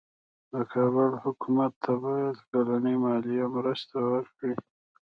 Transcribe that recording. د کابل حکومت ته باید کلنۍ مالي مرسته ورکړي.